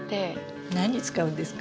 何に使うんですか？